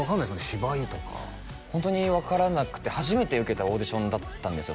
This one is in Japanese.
芝居とかホントに分からなくて初めて受けたオーディションだったんですよ